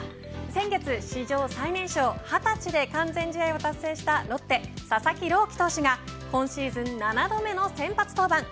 先月、史上最年少二十歳で完全試合を達成したロッテ、佐々木朗希投手が今シーズン７度目の先発登板。